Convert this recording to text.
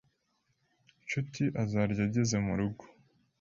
Nshuti azarya ageze murugo.